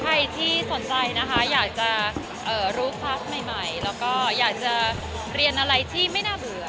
ใครที่สนใจอยากจะรู้ครักใหม่อยากจะเรียนอะไรที่ไม่น่าเบื่อ